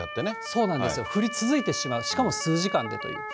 そうなんですよ、降り続いてしまう、しかも数時間でという。